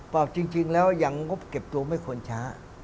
เปล่าจริงแล้วยังเก็บตัวไม่ควรช้า